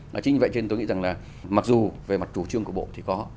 đó chính vì vậy cho nên tôi nghĩ rằng là mặc dù về mặt chủ trương của bộ thì có